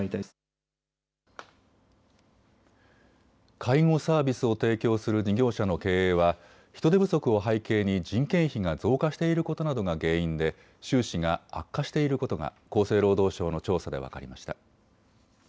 介護サービスを提供する事業者の経営は人手不足を背景に人件費が増加していることなどが原因で収支が悪化していることが厚生労働省の調査で分かりました。